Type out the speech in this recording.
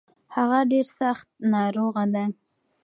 هغه ډير سځت ناروغه دی.